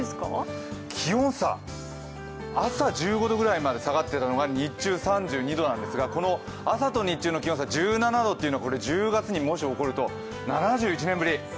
気温差、朝１５度ぐらいまで下がっていたのが日中３２度なんですが、朝と日中の気温差、１７度というのは１０月にもし起こると７１年ぶり。